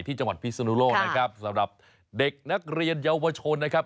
ที่จังหวัดภิกษณุโลกนะครับสำหรับเด็กนักเรียนเยาวชนนะครับ